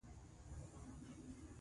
لکه یو زوړ ګودام یا څمڅې ته چې ننوځې.